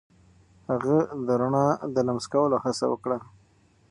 هغه د رڼا د لمس کولو هڅه وکړه.